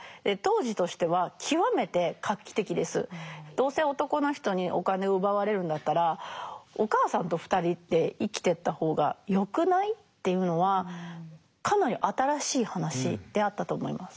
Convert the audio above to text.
どうせ男の人にお金を奪われるんだったらお母さんと２人で生きてった方がよくない？っていうのはかなり新しい話であったと思います。